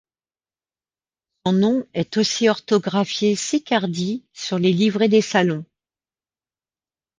Son nom est aussi orthographié Sicardi sur les livrets des Salons.